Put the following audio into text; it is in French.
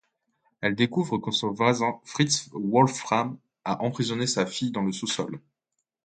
Elle découvre que son voisin Fritz Wolfram a emprisonné sa fille dans le sous-sol.